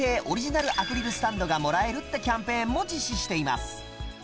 オリジナルアクリルスタンドがもらえるってキャンペーンも実施しています